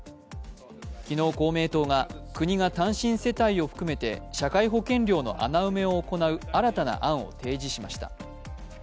昨日、公明党が、国が単身世帯を含めて社会保険料の穴埋めを行う新たな案を提示しました。